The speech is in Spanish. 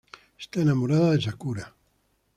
Está enamorada de Sakura.